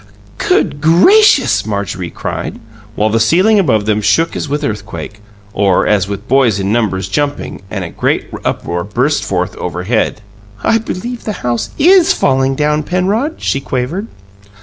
"Good gracious!" Marjorie cried, while the ceiling above them shook as with earthquake or as with boys in numbers jumping, and a great uproar burst forth overhead. "I believe the house IS falling down, Penrod!" she quavered.